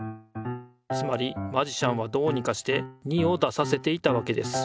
つまりマジシャンはどうにかして２を出させていたわけです。